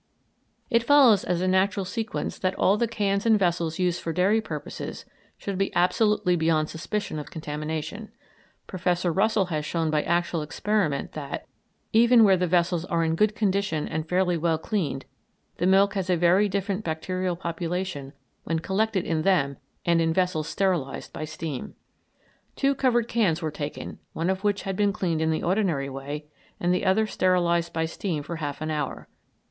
It follows as a natural sequence that all the cans and vessels used for dairy purposes should be absolutely beyond suspicion of contamination. Professor Russell has shown by actual experiment that, even where the vessels are in good condition and fairly well cleaned, the milk has a very different bacterial population when collected in them and in vessels sterilised by steam. Two covered cans were taken, one of which had been cleaned in the ordinary way, and the other sterilised by steam for half an hour.